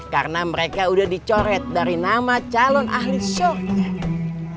karena mereka udah dicoret dari nama calon ahli surga